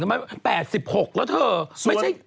เดี๋ยวมันไม่ป่องแปลก๑๖แล้วเถอะ